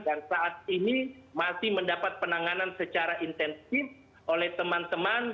dan saat ini masih mendapat penanganan secara intensif oleh teman teman